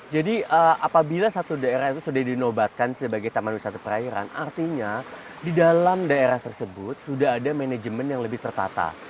jadi apabila satu daerah itu sudah dinobatkan sebagai taman wisata perairan artinya di dalam daerah tersebut sudah ada manajemen yang lebih tertata